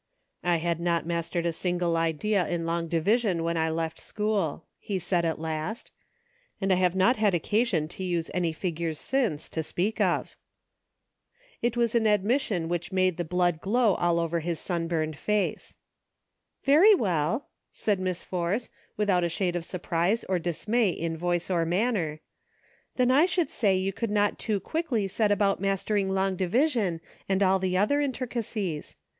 " I had not mastered a single idea in long divi sion when I left school," he said at last, "and I have not had occasion to use any figures since, to speak of." It was an admission which made the blood glow all over his sunburned face. "Very well," said Miss Force, without a shade of surprise or dismay in voice or manner, " then I should say you could not too quickly set about mastering long division and all the other intrica cies.